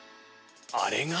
あれが？